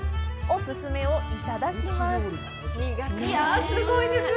お勧めをいただきます。